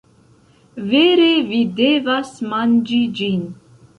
Vere vi devas manĝi ĝin.